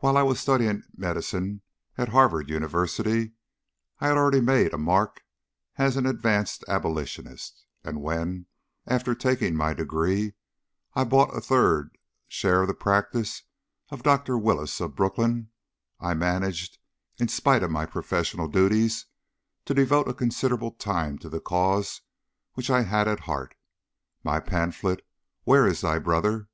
While I was studying medicine at Harvard University, I had already made a mark as an advanced Abolitionist; and when, after taking my degree, I bought a third share of the practice of Dr. Willis, of Brooklyn, I managed, in spite of my professional duties, to devote a considerable time to the cause which I had at heart, my pamphlet, "Where is thy Brother?"